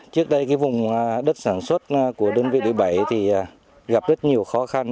trước đây cái vùng đất sản xuất của đơn vị địa bảy thì gặp rất nhiều khó khăn